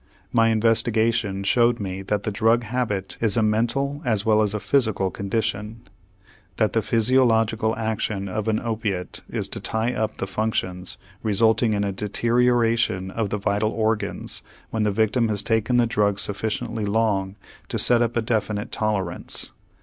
My investigation showed me that the drug habit is a mental as well as a physical condition; that the physiological action of an opiate is to tie up the functions, resulting in a deterioration of the vital organs when the victim has taken the drug sufficiently long to set up a definite tolerance.